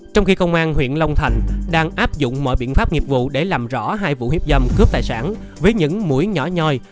trong khi công an huyện long thành đang áp dụng mọi biện pháp nghiệp vụ để làm rõ hai vụ hiếp dâm cướp tài sản với những mũi nhỏ nhoi